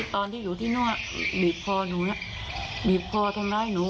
เพราะแกอยู่ข้างประตูฝั่งหนู